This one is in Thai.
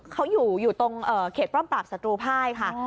เขาอยู่ตรงเขตป้อมปราบศัตรูภายค่ะ